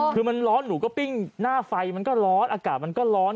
คือมันร้อนหนูก็ปิ้งหน้าไฟมันก็ร้อนอากาศมันก็ร้อน